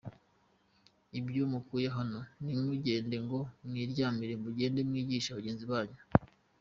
Ibyo mukuye hano ntimugende ngo mwiryamire mugende mwigishe bagenzi banyu.